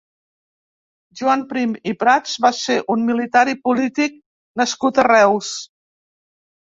Joan Prim i Prats va ser un militar i polític nascut a Reus.